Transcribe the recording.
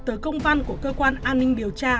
tới công văn của cơ quan an ninh điều tra